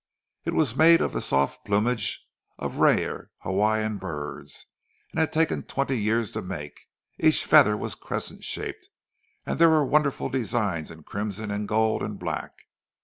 It was made of the soft plumage of rare Hawaiian birds, and had taken twenty years to make; each feather was crescent shaped, and there were wonderful designs in crimson and gold and black.